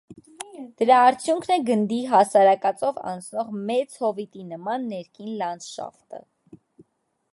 Դրա արդյունքն է գնդի հասարակածով անցնող մեծ հովիտի նման ներքին լանդշաֆտը։